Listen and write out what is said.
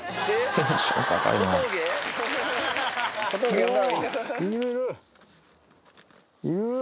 テンション高いなー。